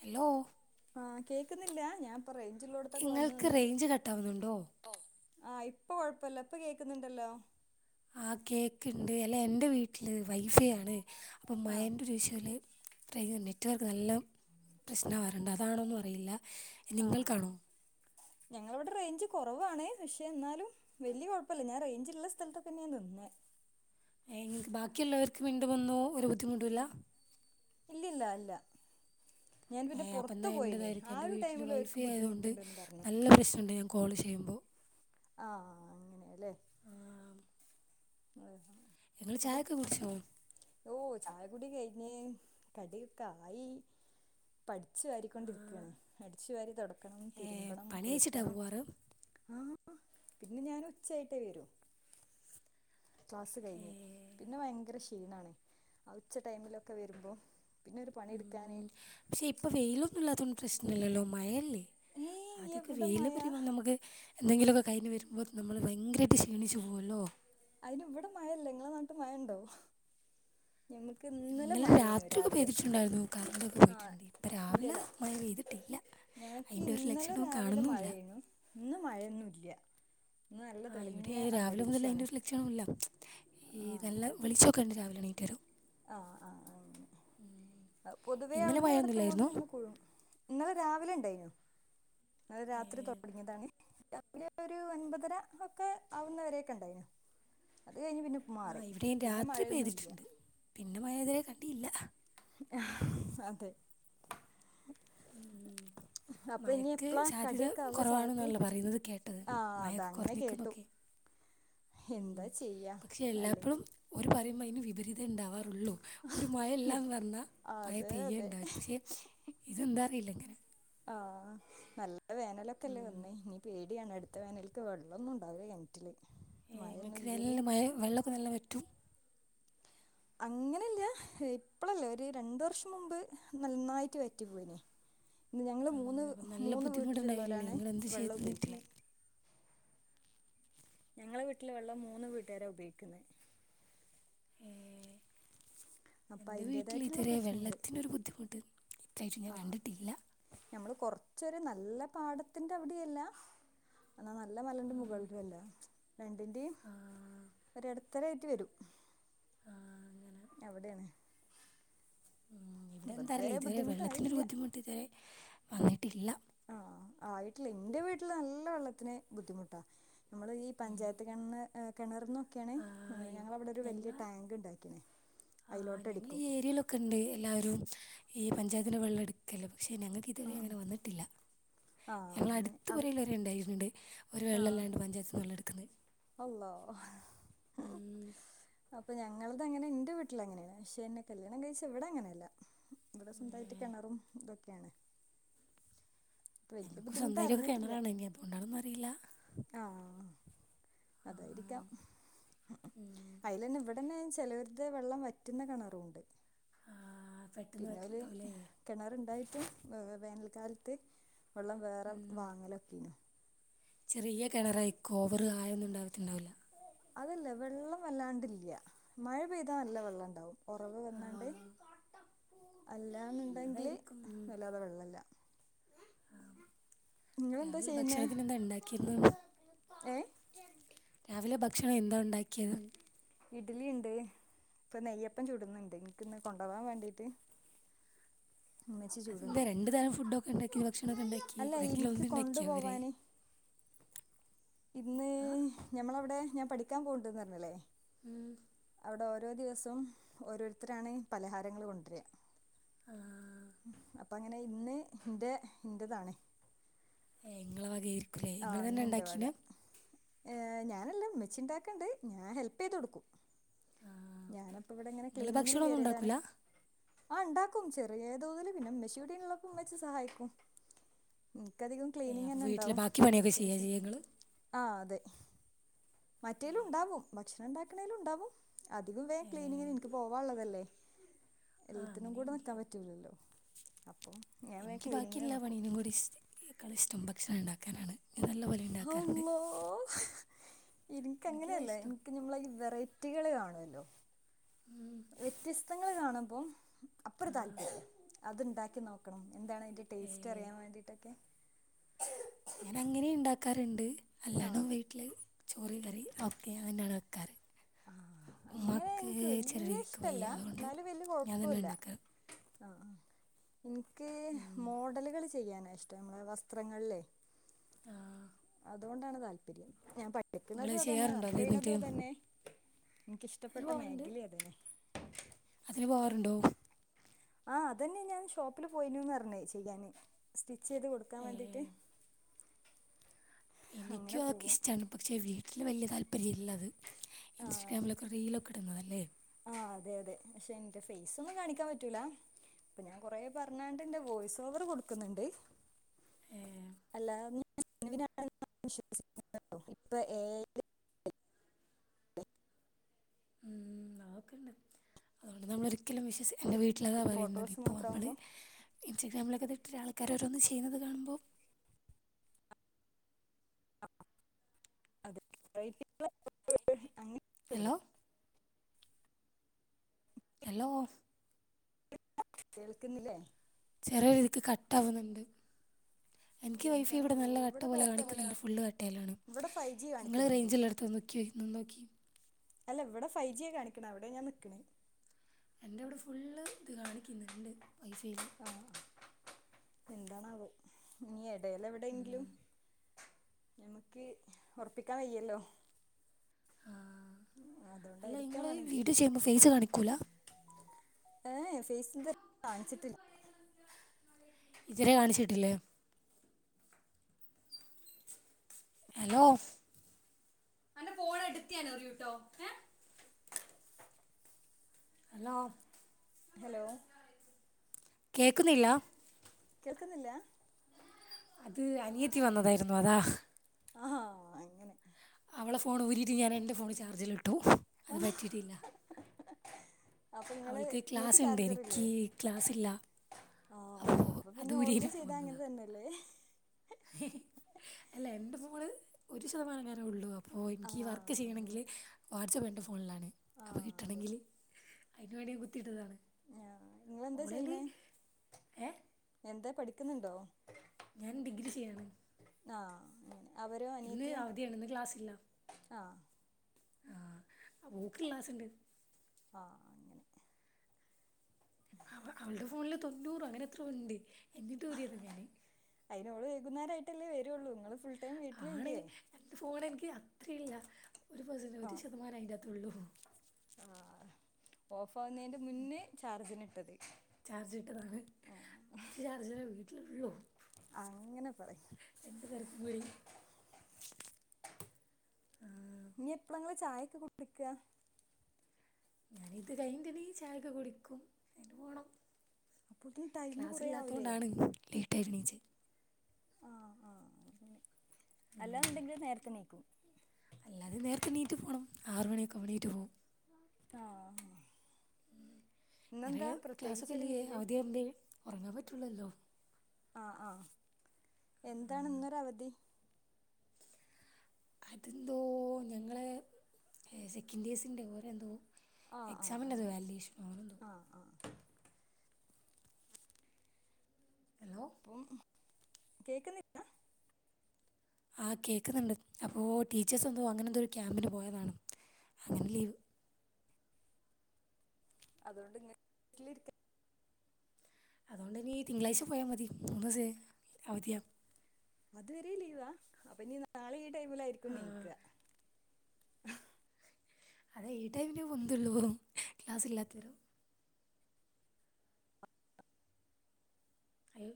Hello ആഹ് കേക്കുന്നില്ല ഞാൻ റേഞ്ചുള്ളോടത്തൊക്കെ വന്ന് നിങ്ങൾക്ക് നിന്ന് റേഞ്ച് കട്ടാവുന്നുണ്ടോ? ആഹ് ഇപ്പൊ കൊഴപ്പം ഇല്ല ഇപ്പൊ കേൾക്കുന്നുണ്ടല്ലോ? ആ കേക്ക് ഇണ്ട് അല്ല എന്റെ വീട്ട് വീട്ടില് വൈഫൈ ആണ് അപ്പം ആഹ് മയെന്റെ ഒരു വിഷയം ആണ് ഇത്രയും നെറ്റ് വർക്ക്‌ നല്ലം പ്രശ്നവാറുണ്ട് അതാണോന്ന് അറിയില്ല നിങ്ങൾക്കാണോ ഞങ്ങള ഇവിടെ റേഞ്ച് കുറവാണെ പക്ഷെ എന്നാലും വലിയ കുഴപ്പമില്ല ഞാൻ റേഞ്ചുള്ള സ്ഥലത്ത് തന്നെ ആണ് നിന്നേ ങ്ങൾക്ക് ബാക്കിയുള്ളവർക്ക് വീണ്ടും വന്നുവോ ഒരു ബുദ്ധിമുട്ടും ഇല്ല ഇല്ലില്ല ഇല്ല ഏയ് അപ്പം എന്നാ എൻ്റെതായിരിക്കും എൻ്റെ വീട്ടിൽ ടൈമില് ഓര്ക്ക് വൈഫൈ ആയത് കൊണ്ട് ബുദ്ധിമുട്ടുണ്ടെന്ന് പറഞ്ഞു നല്ല പ്രശ്നമുണ്ട് ഞാൻ കോൾ ചെയ്യുമ്പോൾ ആഹ് ഹ അങ്ങനെയല്ലേ അതേഹ നിങ്ങള് ചായൊക്കെ കുടിച്ചോ പിന്നെ കടി കായി പട് അടിച്ചു വാരികൊണ്ടിരിക്കയാണ് അടിച്ചു വാരി തൊടയ്ക്കണം, ഏ, തിരുമ്പണം, പണി അയച്ചിട്ടാണ് കുളിക്കണം പോവാറ് ആഹ് പിന്നെ ഞാൻ ഉച്ചയായിട്ടേ വരൂ ക്ലാസ്സ് കഴിഞ്ഞ് ഏ, പിന്നെ ഭയങ്കര ക്ഷീണാണ് ഉച്ച ടൈമിലൊക്കെ വരുമ്പോ പിന്നെ ഒരു പണിയെടുക്കാന് ഉം പക്ഷെ ഇപ്പൊ വെയിലൊന്നും ഇല്ലാത്ത പ്രശ്നല്ലല്ലോ മയ അല്ലെ ഏയ് അതൊക്കെ എവിടെ വെയില് മഴ പറയുമ്പോ നമുക്ക് എന്തെങ്കിലൊക്കെ കഴിഞ്ഞ് വരുമ്പോൾ നമ്മള് ഭയങ്കരമായിട്ട് ക്ഷീണിച്ചു പോകുമല്ലോ അതിന് ഇവിടെ മഴയില്ല നിങ്ങളെ നാട്ടി മഴ ഉണ്ടൊ? ഞമ്മക്ക് ഇന്നലെ മയയാരുന്നു രാത്രിയൊക്കെ രാവിലെ പെയ്തിട്ടുണ്ടായിരുന്നു കറണ്ടൊക്കെ ആ പോയിട്ടുണ്ട് ഇപ്പം രാവിലെ ഇല്ലല്ല മഴ പെയ്തിട്ടില്ല ഞങ്ങൾക്ക് അതിൻ്റെ ഒരു ഇന്നലെ ലക്ഷണവും രാവിലെ കാണുന്നുമില്ല മഴയണു ഇന്ന് മഴയൊന്നുംല്ല ഇന്ന് നല്ല ആ തെളിഞ്ഞ ഇവിടെ രാവിലെ മുതൽ അന്തരീക്ഷാണ് അതിൻ്റെ ഒരു ലക്ഷണവുമില്ല ഈ നല്ല വെളിച്ചോക്കെയുണ്ട് രാവിലെ എണീറ്റ് വരുമ്പോ ആഹ് ആഹ് ആഹ് പൊതുവെ ഇന്നലെ അവിടുന്ന് ഇവിടത്തുമ്പോ മഴയൊന്നുമില്ലായിരുന്നു നമ്മള് പുഴുവും ഇന്നലെ രാവിലെ ഉണ്ടായി ഇന്നലെ രാത്രി തുടങ്ങിയതാണ് രാവിലെ ഒരു ഒൻപതര ഒക്കെ ആവുന്നവരെയോക്കെ ഉണ്ടായിന അത് കഴിഞ്ഞ് പിന്നെ ഇപ്പൊ ആ മാറി ഇവിടെയും പിന്നെ രാത്രി മഴയൊന്നും ഇല്ല പെയ്തിട്ടുണ്ട് പിന്നെ മയ ഇതിലെ കട്ടിയില്ല ഹ് അതേ മയക്ക് എപ്പളാ സാധ്യത കടിയൊക്കെ ആവ ചായക്ക് കുറവാണെന്നാണാല്ലോ പറയുന്നത് കേട്ടത് ആഹ് അത മയൊക്കെ അങ്ങനെ കുറഞ്ഞെക്കുന്ന് കേട്ടു ഒക്കെ എന്താ ചെയ്യാ അല്ലെങ്കിൽ ഒരു പറയുമ്പോൾ അതിന് വിപരീതാ ഉണ്ടാവാറ് ഉള്ളൂ ഒരു മഴല്ലാം ഇത് വന്നാൽ മഴ അതെ പെയ്യ അതെ ഉണ്ടാവരുന്നു പക്ഷെ ഇതെന്താ അറിയില്ല ഇങ്ങനെ ആ നല്ല ഇവിടെ വേനലൊക്കെല്ല ഉം. വന്നേ ഇനി പേടിയാണ് മറ്റ വേനൽക്ക്‌ വെള്ളൊന്നും ഉണ്ടാവൂല കെണറ്റിൽ എ ങ്ങക്ക് നല്ല മഴയും വെള്ളക്കെ നല്ല വ റ്റും അങ്ങനല്ല ഇപ്പളല്ല ഒരു രണ്ട് വർഷം മുമ്പ് നന്നായിട്ട് വറ്റി പോയിനെ ഞങ്ങള് മൂന്ന് അപ്പം നല്ല മൂന്ന് ബുദ്ധിമുട്ടുണ്ടായില്ലേ വീട്ടിലുള്ളോലാണ് നിങ്ങൾ എന്ത് ചെയ്ത് വെള്ളം എന്നിട്ട് ഉപയോഗിക്കുന്നത് ഞങ്ങളെ വീട്ടിലെ വെള്ളം മൂന്ന് വീട്ടുകാര ഉപയോഗിക്കുന്നെ അപ്പൊ എന്റെ വീട്ടില് അയിന്റേതായിട്ടുള്ള ഇതുവരെ പ്രശ്നങ്ങള് വെള്ളത്തിനൊരു ബുദ്ധിമുട്ടും പ്രത്യേകിച്ച് ഞാൻ കണ്ടിട്ടില്ല ച്ചൊരു നല്ല പാടത്തിന്റെ അവിടെ അല്ല എന്നാ നല്ല മലന്റെ മുകളിലും അല്ല രണ്ടിന്റെയും ആ, ഒരു എടത്തരായിട്ട് വെരും ആ, അങ്ങനെ ഞാ ഇവിടെയാണ് ഇവിടെന്താറല്ല ഇതുവരെ വെള്ളത്തിൻ്റെ ബുദ്ധിമുട്ടായില്ല ബുദ്ധിമുട്ട് ഇതരെ വന്നിട്ടില്ല ആ ആയിട്ടില്ല ൻ്റെ വീട്ടില് നല്ല വെള്ളത്തിന് ബുദ്ധിമുട്ടാ നമ്മുടെ ഈ പഞ്ചായത്ത് കെണ ഏ കിണറന്നും ക്കാണ് ഞങ്ങളെവടെ ഒരു വലിയ ഞങ്ങൾ ടാങ്ക് ഉണ്ടാക്കി അതിലോട്ട് എടുക്കും ഏരിയലൊക്കെ ഇണ്ട് എല്ലാവരും ഈ പഞ്ചായത്തിൻ്റെ വെള്ളം എടുക്കല് ക്ഷെ ഞങ്ങൾക്ക് ആ ഇതുവരെ അങ്ങനെ വന്നിട്ടില്ല ആ ആഹ് ഞങ്ങളെ അങ്ങനെ അടുത്ത് അവി പൊരേല് വരെ ണ്ടായിട്ടുണ്ട് ഒരു ആഹ് വെള്ളല്ലാണ്ട് പഞ്ചായത്ത് വെള്ള [unintelligible] അള്ളാ ഹ പ്പോ ഞങ്ങളത് അങ്ങനെ ന്റെ വീട്ടിൽ അങ്ങനെയാണ് പക്ഷെ ന്നെ കല്യാണം കഴിച്ച ഇവിടെ അങ്ങനെയല്ല ഇവിടെ സ്വന്തമായിട്ട് കെണറും ഇതൊക്കെണ് ഞങ്ങൾക്ക് സ്വന്തമായിട്ട് കെണറാണ് ഇനി അതുകൊണ്ടാണോന്നറിയില്ല ആഹ് അതായിരിക്കാം അയിൽ തന്നെ ഇവിട തന്നെ ചെലടത്ത് വെള്ളം വറ്റുന്ന കിണറുണ്ട് പെട്ടെന്ന് [unintelligible] പറ്റില്ലാവൂലേ ഏ ആ വേനൽക്കാലത്ത് വെള്ളം വേറെ വാങ്ങലൊക്കേയ്ന് ചെറിയ കണറായിക്കോവർ ആയൊന്നുണ്ടാവട്ടുണ്ടാവില്ല അതല്ല വെള്ളം വല്ലാണ്ടില്ല മഴ പെയ്താ നല്ല വെള്ളം ണ്ടാവും ഉറവ് വന്നാണ്ട് അല്ല വല്ലന്നുണ്ടെങ്കില് എന്നതായിരിക്കും വല്ലാതെ വെള്ളയില്ല നിങ്ങളെന്താ രാവിലെ ചെയ്യുന്നേ ഭക്ഷണത്തിന് എന്താ ഉണ്ടാക്കിന്ന് ഏ രാവിലെ ഭക്ഷണം എന്താ ഉണ്ടാക്കിയത് ഇഡ്ലി ണ്ട് ഇപ്പൊ നെയ്യപ്പം ചു ടുന്നുണ്ട് എനിക്കിന്ന് കൊണ്ടാവാൻ വേണ്ടിട്ട് ഉമ്മച്ചി അതെന്താ ചൂടുണ്ട് രണ്ടു തരം ഫുഡൊക്കെ ണ്ടാക്കി ഭക്ഷണൊക്കെ ണ്ടാക്കി അല്ല എതെങ്കിലും എനിക്ക് ഒന്ന് ണ്ടാക്കിയ പോരെ കൊണ്ടുപോവാന് ഇന്ന് ഞമ്മളവിടെ ഞാൻ പഠിക്കാൻ പോവ് ണ്ട് ന്ന് റഞ്ഞല്ലേ ഉം അവിടെ ഓരോ ദിവസവും ഓരോരുത്തരാണ് പലഹാരങ്ങള് കൊണ്ടര അപ്പ അങ്ങനെ ഇന്ന് ഇന്റെ ഇന്റതാണേ ഏ ങ്ങളെ വകായിട്ട് രഏ ങ്ങൾ തന്നെ ഇൻ്റെ വക ഉണ്ടാക്കീന്നാ ഏ ഞാനല്ലഉമ്മച്ചിണ്ടാക്ക ണ്ട് ഞാൻ ഹെൽപ്പീത് കൊടുക്കും ഞാനപ്പ ഇവിടെങ്ങനെ നിങ്ങൾ ക്ലീനിങ്ങിന് ഭക്ഷണമൊന്നും കേറിയതാണ് ഉണ്ടാക്കൂല ആ ണ്ടാക്കും ചെറിയ തോതില് പിന്നെ മ്മച്ചി ഇവിടെള്ളപ്പോമ്മച്ചി സഹായിക്കും ഇനിക്കധികം ഏ, അപ്പോൾ ക്‌ളീനിംഗ്ന്ന്നെ വീട്ടിലെ ണ്ടാവും ബാക്കി പണിയൊക്കെ ചെയ്യുക അത്യാവശ്യം ചെയ്യുക നിങ്ങൾ ആഹ് അതെ മറ്റേലും ണ്ടാവും ഭക്ഷണം ഉണ്ടാക്കണേലും ണ്ടാവും അധികം വേ ക്ലീനിങ്ങിന് നിക്ക് പോവള്ളതല്ലേ ആ എല്ലാത്തിനും കൂടെ അങ്ങനെയാണല്ലേ നിക്കാൻ പറ്റൂല ല്ലോ അപ്പൊ എനിക്ക് ബാക്കില്ലാ പണിയനും കൂടി കള ഇഷ്ടം ഏ ക്കാലിഷ്‌ടം ഭക് ഭക്ഷണംണ്ടാക്കാനാണ് ഹള്ളാ ഇ എനിക്കതാ നിക്കങ്ങനെയല്ല ഇഷ്ടം എനിക്ക് നമ്മള വെറൈറ്റികൾ കാണുവല്ലോ ലോ പുതങ്ങള്ൾ കാണുമ്പോൾ അപ്പറ ആ [inaudible] കാണുമ്പോ അപ്പൊരു താല്പര്യംഅത്ണ്ടാക്കി നോക്കണം എന്താണ് അതിന്റെ ഏ, ടേസ്റ്റ് അറിയാൻവേണ്ടീട്ടൊക്കെ ആ അല്ലണം വീട്ടില് ചോറി കറി ഒ ക്കെ ഞാനാണ് വെക്കാറ് ആഹ് ഉമ്മാ അങ്ങനെ ക്ക് എനിക്ക് ചെറിയ വല്യ രീതിക്ക് വയ്യ ഇഷ്ടല്ല അതുകൊണ്ട് എന്നാലും വല്യ ഞാൻ തന്നെ കൊഴപ്പുല്ല ഉണ്ടാക്കാം ആഹ് ആഹ് ഇ നിക്ക് മോഡലുകളിഷ്ട ചെയ്യാന ഇഷ്ടം നമ്മളെ വാസ്ത്രങ്ങളി ല് ആആഹ് അതുകൊണ്ടാണ് താല്പര്യം ഞാൻപടി നിങ്ങൾ വെക്കുന്നതു അ തന്നെ ചെയ്യാറുണ്ടോ വർക്ക് അത് എന്നിട്ട് ചെയ്യണതും അ തന്നെ അതിന് എനിക്കിഷ്ടപ്പെട്ട പോവാറുണ്ട് മേഖലയത് അതിന് പോകറുണ്ടോ ആ അതന്നെ ഞാൻ ഷോപ്പില് പോയീന്നുന്ന് റഞ്ഞേ ചെയ്യാന് സ്റ്റിച്ച് ചെയ്ത് കൊടുക്കാൻ ഏ, വേണ്ടീട്ട് എനിക്കോ ആകും ഇഷ്ടാണ് പക്ഷെ വി വീട്ടല് വല്യ താല്പര്യമില്ല അത് ആഹ് ഇൻസ്റ്റാഗ്രാമിലൊക്കെ റീലൊക്കെ ഇടുന്നതല്ലേ എന്റെ ഫേസ് ഒന്നും കാണിക്കാൻ പറ്റൂല ഇപ്പൊ ഞാൻ കൊറെ പറഞ്ഞാണ്ട് എന്റെ വോയ്സ് ഓവറ് കൊടുക്കുന്നുണ്ട് ഏ, അല്ലാ [unintelligible] ഇപ്പൊ ഏ ഉം അതൊക്കെണ്ട് അതുകൊണ്ട് നമ്മള് ഒരിക്കലും വിശ്വസിക്ക് എന്റെ വീട്ടില് ലതാ പറയുന്നത് ഫോട്ടോസ് ഇപ്പോ വമ്മള് മാത്രമാകുമ്പോൾ ഇൻസ്റ്റഗ്രാമില തിട്ട് ര് ആൾക്കാര് ഓരോന്ന് ചെയ്യുന്നത് കാണുമ്പോൾ അന [unintelligible] ഹലോ ഹലോ കേൾക്കുന്നില്ലേ ചെറിയ രീതിക്ക് കട്ട് ആവുന്നുണ്ട് എനിക്ക് വൈഫൈ ഇവിടെ അതെന്താണാവോ നല്ല കട്ട പോലെ കുഴപ്പമില്ല കാണിക്കുന്നുണ്ട് ഫുള്ള് കട്ടയിലാണ് ഇവിടെ ഫൈവ് ജി നിങ്ങള് കാണിക്കുന്നുണ്ട് റേഞ്ച് ഇള്ളിടത് നിക്കു നിന്ന് നോക്കി അല്ല ഇവിടെ ഫൈവ് ജി യ കാണിക്കണ അവിടെ ഞാൻ നിക്കണ് എന്റെ അവിടെ ഫുള്ള് ഇത് കാണിക്ക്‌ന്ന്ണ്ട് ഐ ഫീല് എന്താണ് അത് നീയെടു എടെല് എവിടെങ്കിലും ഞമക്ക് ഉറപ്പിക്കാൻ വയ്യല്ലോ ആ അല്ല അതുകൊണ്ടായിരിക്കാം ഇങ്ങള് വേണമെങ്കിൽ വീഡിയോ ചെയ്യുമ്പോൾ ഫേസ് കാണിക്കൂല ഏ ഫേസി ഇതുവരെ കാണിച്ചിട്ടില്ല ഇതരെേ കാണിച്ചിട്ടില്ലേ ഹലോ അന്റെ ഫോണ് എടുത്ത് ഞനെറിയൂട്ടോ ഏ ഹലോ ഹലോ കേക്കുന്നില്ല കേൾക്കുന്നില്ല അത് അനിയത്തി വന്നതായിരുന്നു അതാ ഹ് ആഹാ അവളെ ഫോൺ ഉരിട്ട് ഞാൻ എന്റെ ഫോണ് ചാർജിൽ ട്ടു അത് പറ്റിട്ടില്ല അപ്പൊ നിങ്ങള് നിക്ക് ചാർജർ ഇല്ലേ എനിക്ക് ക്ലാസ് ഇല്ല ആ അപ്പോൾ അപ്പൊ അത് പിന്നെ ഓളത് ചെയ്താ അങ്ങനെ തന്നെയല്ലേ ഹേ ഹേ ഹേ അല്ല എന്റെ ഫോൺ ഒരു ശതമാനം ങാനെ ഉള്ളൂ അപ്പോൾ എനിക്ക് ആഹ് വർക്ക് ചെയ്യണെങ്കിൽ അങ്ങനെ വാട്സ്ആപ്പ് എ ഫോണിലാണ് അപ്പോൾ ആഹ് അതെ കിട്ടണെങ്കില് അതിനുവേണ്ടി ഞാൻ കുത്തിട്ടതാണ് ആഹ് നിങ്ങളെന്താ ചെയ്ന്നേ ഏ എന്താ പഠി ഠിക്കുന്നുണ്ടോ? ഞാൻ ഡിഗ്രി ചെയ്യാണ് ആ ഇന്ന് അവധിയാണ് ഇന്ന് ക്ലാസ്സില്ല ആഹ് ആഹ് ഓൾക്ക് ക്ലാസ്സുണ്ട്‌ ആ അങ്ങനെ അവ അവളടെ ഫോണില് തൊണ്ണൂറ് അങ്ങനെ എത്രയോ ഉണ്ട് എന്നിട്ട് ഊരിയതാ ഞാന് വൈകുന്നേരം ആയിട്ടല്ലേ വരുള്ളൂ നിങ്ങള് ഫു ആണ് എന്റെ ഫോൺ എനക്ക് ഇല്ല ഒരു പേഴ്സന്റെ ഒരു ശതമാനം അയിന്റക ത്തൊള്ളു ആ ഓഫ് ആവുന്നതിന്റെ മുന്നേ ചാർജിന് ഇട്ടത് ചാർജ് ഇട്ടതാണ് ഒരു ചാർജറെ ഒള്ളൂ അങ്ങനെ പറയ് പേർക്കും കൂടി ആ ഇനീ എപ്പളങ്ങള് ചായയൊക്കെ കുടിക്കുക ഞാന് ഇത് കഴിഞ്ഞിട്ട് ഇനി ചായക്കെ കുടിക്കും എന്നിട്ട്‌ പോണം അപ്പോത്തിന് ടൈമ് ക്ലാസ് കൊറേ ഇല്ലാത്ത ആവൂലേ കൊണ്ടാണ് ലീ എണ്ണിച്ച് ആ ആ അങ്ങനെ അല്ലാന്നുണ്ടെങ്കിൽ നേരത്തെ എണ്ണിക്കും അല്ലാതെ നേരത്തെ എണീറ്റ് പോണം ആറ് മണിയൊക്കെ ആവുമ്പോ എണീറ്റ് പോകും ആ ഹ് ഇങ്ങനെ ക്ലാസ്ക്കെയില്ലിയെ അവധിയെങ്കിൽ ഒറങ്ങാൻ പറ്റ റ്റുള്ളല്ലോ ആ ആ എന്താണ് ഇന്നൊര അവധി അതെന്തോ ഞങ്ങള് സെക്കൻഡ്ഴ്സിന്റെ ഓര് എന്തോ ആ ആ എക്സാമിന്റെറത് അങ്ങനെ വാല്യുവേഷനോ അങ്ങനെന്തോ ആ ആ ഹലോ അപ്പം കേക്കന്നില്ല ആ കേൾക്ക്ന്നൊണ്ട് അപ്പോ ടീച്ചേഴസ് എന്തോ അങ്ങനെ എന്തോ ഒരു ക്യാമ്പിന് പോയതാണ് അങ്ങനെ ലീവ് അതുകൊണ്ട് ഇങ്ങ് വീട്ടിലിരിക്കാം അതുകൊണ്ട് ഇനി തിങ്കളാഴ്ച പോയാൽ മതി മൂന്ന് ദിവസമായി അവധിയ അതുവരെ ലീവാ അപ്പൊ ഇനീ നാളെ ഈ ടൈമിലായിരിക്കും അവധിയാണ് എണീക്കുക ഹ് അതെ ഈ ടൈമിനെ പൊന്തുള്ളു ക്ലാസ്സ് ഇല്ലാത്തരും അയ്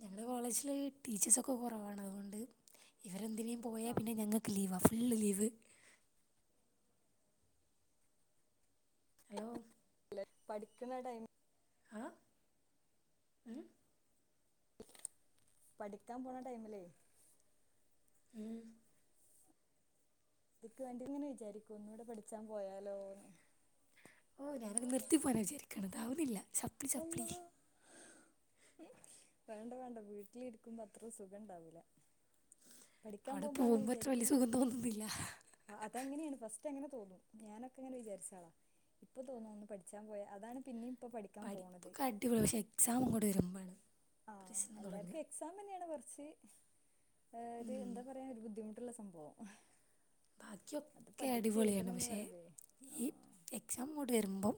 ഞങ്ങളുടെ കോളേജില് ടീച്ചേഴ്സൊക്കെ കൊറവാണ് അതുകൊണ്ട് അവരെന്തിനെ പോയാൽ ആ പിന്നെ ഞങ്ങക്ക് ലീവാ ലീവ് ഹലോ അല്ലെ പഠിക്കുന്ന ടൈമ ഹ പഠിക്കാൻ പോണ ടൈമിലേ ഉം അതിക്ക് വേണ്ടി ഇങ്ങനെ വിചാരിക്കൂ ഒന്നൂടെ പഠിച്ചാൻ പോയാലോന്ന് ഓ ഞാനത് നിർത്തി പോയാ വിചാരിക്കണതാവുന്നില്ല ചപ്പി ചപ്പളി ഉ വേണ്ട വേണ്ട വീട്ടിലിരിക്കുമ്പോ അത്ര സുഖം ഇണ്ടാവൂല പഠിക്കാൻ അവിടെ പോകുമ്പോ നമ്മൾ പോകുമ്പോൾ അത്ര വലിയ വിചാരിക്കും സുഖം തോന്നുന്നില്ല അതങ്ങനെയാണ് ഫസ് എങ്ങനെ തോന്നുന്നു ഞാനൊക്കെ എങ്ങനെ വിചാരിച്ചാളാ ഇപ്പൊ തോന്നും ഒന്ന് പഠിച്ചാൻ പോയാ അതാണ് പിന്ന ഇപ്പ പഠിപ്പ്ക്ക് അടിപൊളി പക്ഷെ എക്സാം കൂടെ വരുമ്പാണ് ആ എല്ലാർക്കും എക്സാം തന്നെയാണ് വേർക്ക പസി ഏ് ഉം, എന്ത പറയാൻ ഒരു ബുദ്ധിമുട്ട് സംഭവം അത് ബാക്കിയൊക്കെ പഠിച്ച് അടിപൊളിയാണ് എഴുതണംന്ന് പക്ഷെ പറയുമ്പോഴേ ഈ ആഹ് എക്സാം മോഡ് വരുമ്പം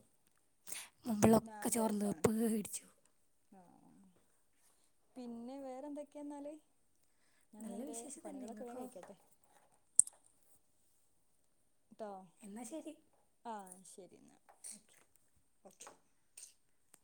പിന്നെ മുമ്പിലൊക്കെ ആകെ ചോറ ഓഫാണ് തപ്പ് പേടിച്ചു പിന്നെ വേറെന്തൊക്കെയാ എന്നാല് ഞാൻ നല്ല ഇന്നെൻറെ വിശേഷം തന്നെ പണികളൊക്കെ വേഗം നിങ്ങൾക്കോ കഴിക്കട്ടെ [unintelligible] എന്നാൽ ശരി ആ ശ് [unintelligible] എന്നാ ഓക്കെ [unintelligible]